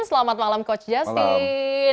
selamat malam coach justin